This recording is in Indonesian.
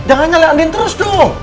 ma jangan nyalah andin terus dong